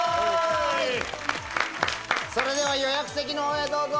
それでは予約席の方へどうぞ！